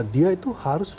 dia itu harus